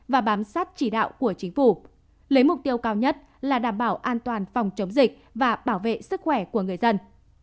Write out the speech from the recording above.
và bám sát chỉ đạo của chính phủ lấy mục tiêu cao nhất là đảm bảo an toàn phòng chống dịch và bảo vệ sức khỏe của người dân